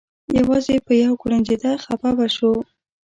یوازې به یې یو کوړنجېده خپه به شو.